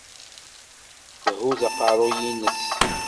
Thuzz aqerru-ines.